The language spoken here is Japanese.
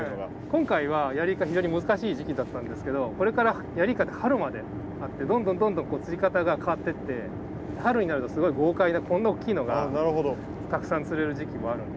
今回はヤリイカ非常に難しい時期だったんですけどこれからヤリイカって春まであってどんどんどんどん釣り方が変わってって春になるとすごい豪快なこんな大きいのがたくさん釣れる時期もあるんで。